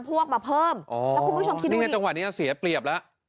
พวกมาเพิ่มแล้วคุณผู้ชมคิดดูนี่ไงจังหวะนี้เสียเปรียบแล้ว